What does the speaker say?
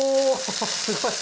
すごい！